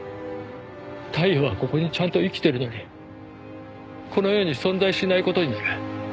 太陽はここにちゃんと生きてるのにこの世に存在しない事になる。